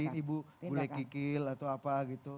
bisa beli ibu bule kikil atau apa gitu